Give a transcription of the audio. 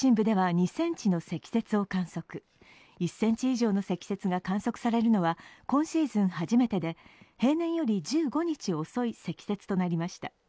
１ｃｍ以上の積雪が観測されるのは今シーズン初めてで、平年より１５日遅い積雪となりました。